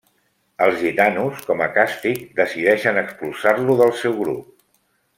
Els gitanos, com a càstig, decideixen expulsar-lo del seu grup.